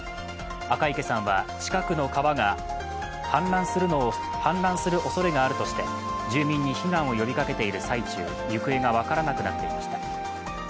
赤池さんは近くの川が氾濫するおそれがあるとして住民に避難を呼びかけている最中行方が分からなくなっていました。